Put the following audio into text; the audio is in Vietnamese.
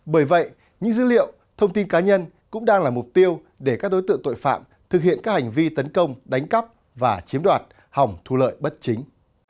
bởi vậy những dữ liệu thông tin cá nhân cũng đang là mục tiêu để các đối tượng tội phạm thực hiện các hành vi tấn công đánh cắp và chiếm đoạt hỏng thu lợi bất chính